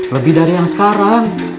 lebih dari yang sekarang